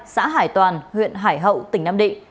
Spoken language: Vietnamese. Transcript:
xã hải toàn huyện hải hậu tỉnh nam định